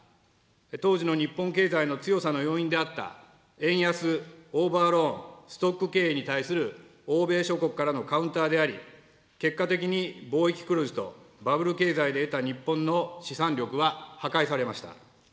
当時の日本経済の強さの要因であった円安、オーバーローン、ストック経営に対する欧米諸国からのカウンターであり、結果的に貿易黒字とバブル経済で得た日本の資産力は破壊されました。